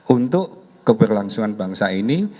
untuk keberlangsungan bangsa ini